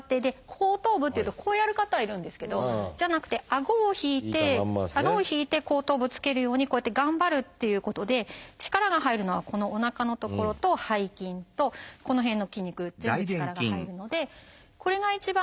後頭部っていうとこうやる方がいるんですけどじゃなくて顎を引いて顎を引いて後頭部つけるようにこうやって頑張るっていうことで力が入るのはこのおなかの所と背筋とこの辺の筋肉全部力が入るのでこれが一番